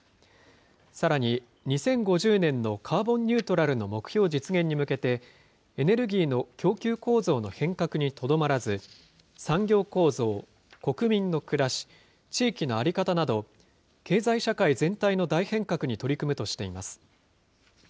さらに２０５０年のカーボンニュートラルの目標実現に向けて、エネルギーの供給構造の変革にとどまらず、産業構造、国民の暮らし、地域の在り方など、経済社会全体の大変革に取り組むとしています。